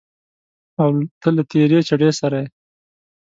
او ته له تېرې چړې سره